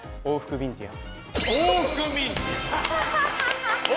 ビンティア！